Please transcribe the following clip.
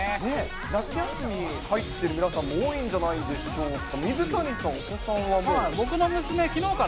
夏休み入ってる皆さんも多いんじゃないでしょうか。